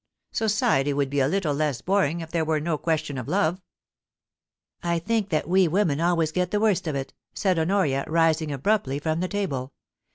Society would be a little less boring if there were no question of love.' * I think that we women always get the worst of it,' said Honoria, rising abruptly from the table.